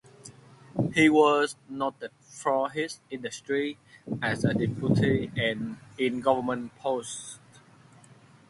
He was noted for his industry as a deputy and in government posts.